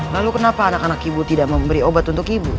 lalu kenapa anak anak ibu tidak memberi obat untuk ibu